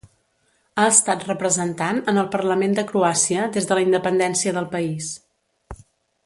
Ha estat representant en el Parlament de Croàcia des de la independència del país.